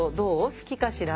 好きかしら？